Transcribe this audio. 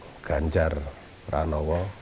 dan pak ganjar pranowo